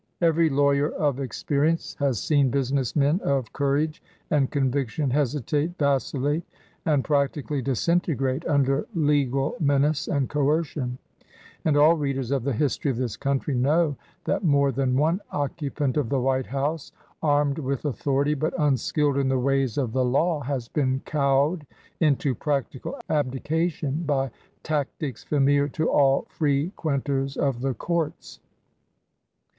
Every lawyer of experience has seen business men of courage and conviction hesitate, vacillate, and practically disintegrate under legal menace and coercion ; and all readers of the history of this country know that more than one occupant of the White House, armed with authority, but unskilled in the ways of the 205 LINCOLN THE LAWYER law, has been cowed into practical abdication by tactics familiar to all frequenters of the courts.